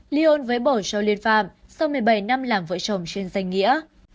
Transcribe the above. bốn ly ôn với bổ trâu liên phạm sau một mươi bảy năm làm vợ chồng trên danh nghĩa